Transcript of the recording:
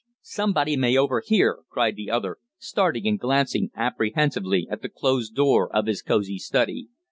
Somebody may overhear!" cried the other, starting and glancing apprehensively at the closed door of his cosy study.